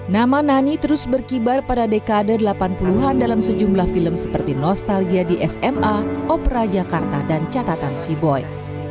nama nani terus berkibar pada dekade delapan puluh an dalam sejumlah film seperti nostalgia di sma opera jakarta dan catatan sea boy